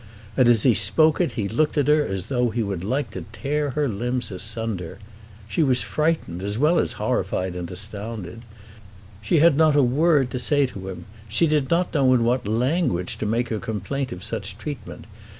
And as he spoke it he looked at her as though he would like to tear her limbs asunder. She was frightened as well as horrified and astounded. She had not a word to say to him. She did not know in what language to make her complaint of such treatment.